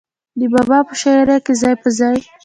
د بابا پۀ شاعرۍ کښې ځای پۀ ځای